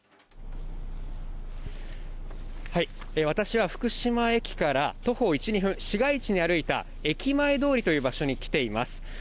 私は福島駅から徒歩一、二分市街地に歩いた駅前通りという場所に来ています